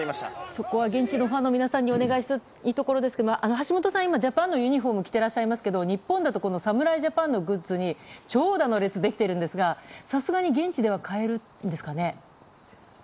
そこは現地のファンの皆さんにお願いしたいところですが橋本さんは今、ジャパンのユニホームを着ていますが日本だと侍ジャパンのグッズに長蛇の列ができているんですがさすがに現地では買えるんですかね。